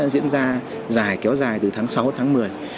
diễn ra dài kéo dài từ tháng sáu tháng một mươi